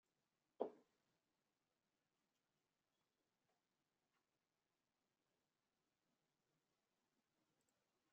You mistake me for another.